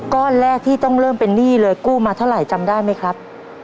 ก้อนแรกที่ต้องเริ่มเป็นหนี้เลยกู้มาเท่าไหร่จำได้ไหมครับ